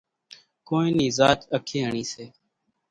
ڪونئين نِي زاچ اکياڻِي سي۔